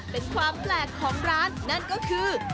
เป็นความแปลกของร้านนั่นก็คือ